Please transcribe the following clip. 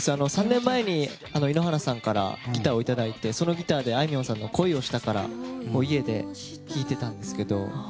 ３年前に井ノ原さんからギターをいただいてそのギターであいみょんさんの「恋をしたから」を家で弾いていたんですけど。